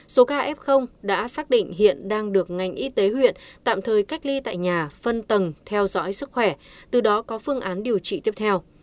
số ca f đã xác định hiện đang được ngành y tế huyện tạm thời cách ly tại nhà phân tầng theo dõi sức khỏe từ đó có phương án điều trị tiếp theo